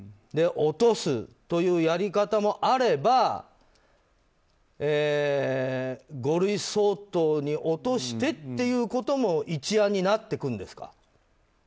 落とすというやり方もあれば五類相当に落としてということも一案になってくるんですか？